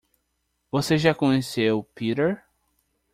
Você já conheceu Peter?